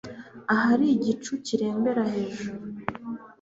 Ahari igicu kireremba hejuru